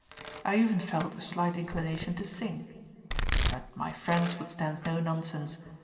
I even felt a slight inclination to sing. But my friends would stand no nonsense.